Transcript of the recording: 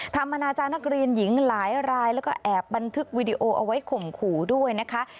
อนาจารย์นักเรียนหญิงหลายรายแล้วก็แอบบันทึกวีดีโอเอาไว้ข่มขู่ด้วยนะคะ